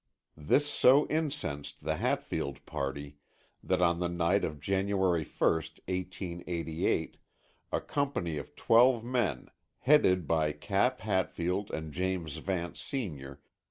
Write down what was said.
This so incensed the Hatfield party that on the night of January 1st (1888) a company of twelve men, headed by Cap Hatfield and James Vance, Sr.